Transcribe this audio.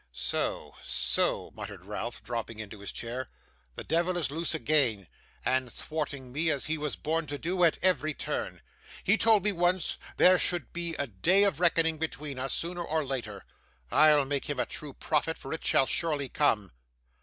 'So, so,' muttered Ralph, dropping into his chair; 'this devil is loose again, and thwarting me, as he was born to do, at every turn. He told me once there should be a day of reckoning between us, sooner or later. I'll make him a true prophet, for it shall surely come.